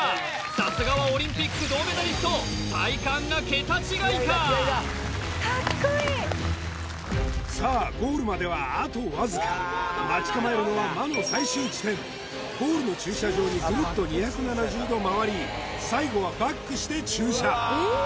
さすがはオリンピック銅メダリスト体幹が桁違いかかっこいいさあゴールまではあとわずか待ち構えるのは魔の最終地点ゴールの駐車場にグルッと２７０度回り最後はバックして駐車ええ